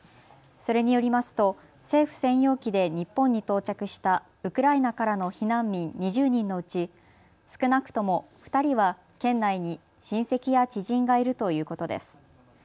それによりますと政府専用機で日本に到着したウクライナからの避難民２０人のうち少なくとも２人は県内に親戚や知人がいるということです。